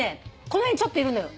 この辺ちょっといるんだよ。